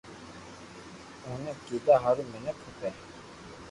اوني ڪيدا ھارون مينک کپي